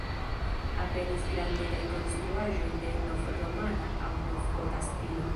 Aperis grandegaj konstruaĵoj de nov-romana aŭ nov-gota stilo.